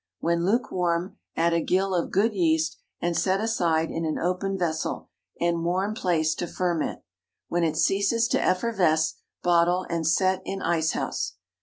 When lukewarm, add a gill of good yeast, and set aside in an open vessel and warm place to ferment. When it ceases to effervesce, bottle and set in ice house.